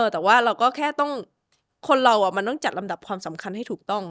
แต่ว่าเราก็แค่ต้องคนเรามันต้องจัดลำดับความสำคัญให้ถูกต้อง